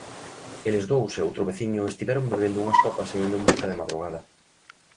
Eles dous e outro veciño estiveron bebendo unhas copas e oíndo música de madrugada.